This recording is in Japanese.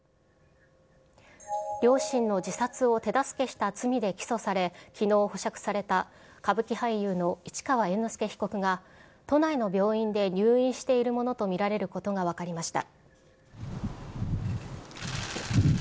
両親の自殺を手助けした罪で起訴され、きのう保釈された歌舞伎俳優の市川猿之助被告が、都内の病院で入院しているものと見られることが分かりました。